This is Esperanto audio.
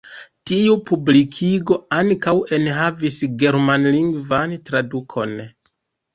Tiu publikigo ankaŭ enhavis germanlingvan tradukon.